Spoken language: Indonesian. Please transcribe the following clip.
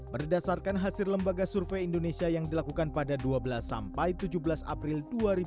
berdasarkan hasil lembaga survei indonesia yang dilakukan pada dua belas sampai tujuh belas april dua ribu dua puluh